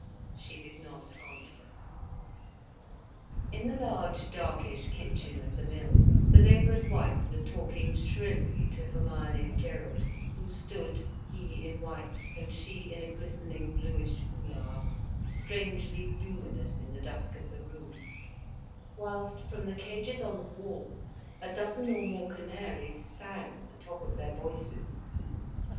She did not answer. In the large darkish kitchen of the mill, the labourer's wife was talking shrilly to Hermione and Gerald, who stood, he in white and she in a glistening bluish foulard, strangely luminous in the dusk of the room; whilst from the cages on the walls, a dozen or more canaries sang at the top of their voices.